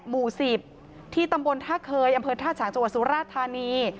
หมู่๑๐ที่ตำบลท่าเคยอำเภอท่าฉางจังหวัดสุราธานี